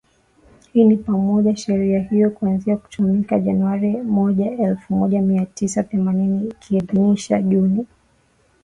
Hii ni pamoja sheria hiyo kuanza kutumika Januari moja, elfu moja mia tisa themanini ikiadhmisha Juni kumi na tisa kuwa sikukuu rasmi ya jimbo